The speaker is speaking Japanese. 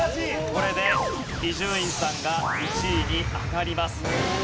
これで伊集院さんが１位に上がります。